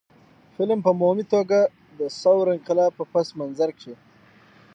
فلم په عمومي توګه د ثور انقلاب په پس منظر کښې